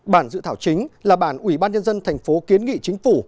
bản dự thảo chính là bản ủy ban nhân dân tp hcm kiến nghị chính phủ